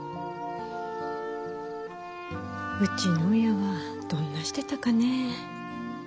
うちの親はどんなしてたかねえ。